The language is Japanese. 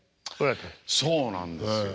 そうなんですよ。